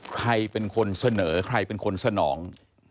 ใครเป็นคนเสนอใครเป็นคนสนอง